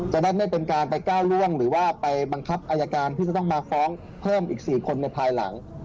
นั่นไม่เป็นการไปก้าวล่วงหรือว่าไปบังคับอายการที่จะต้องมาฟ้องเพิ่มอีก๔คนในภายหลัง